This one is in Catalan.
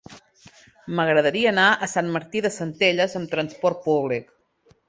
M'agradaria anar a Sant Martí de Centelles amb trasport públic.